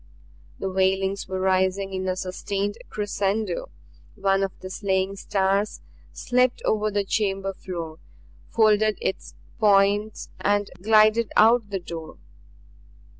The wailings were rising in a sustained crescendo. One of the slaying stars slipped over the chamber floor, folded its points and glided out the door.